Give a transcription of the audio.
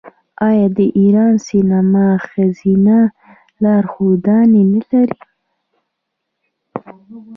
آیا د ایران سینما ښځینه لارښودانې نلري؟